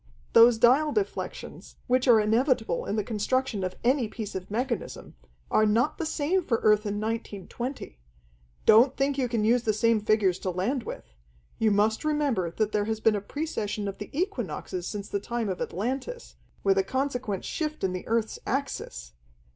Those dial deflections, which are inevitable in the construction of any piece of mechanism, are not the same for Earth in 1920. Don't think you can use the same figures to land with. You must remember that there has been a precession of the equinoxes since the time of Atlantis, with a consequent shift in the earth's axis.